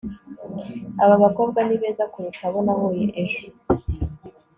aba bakobwa ni beza kuruta abo nahuye ejo